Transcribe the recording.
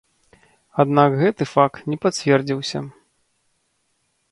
Аднак гэты факт не пацвердзіўся.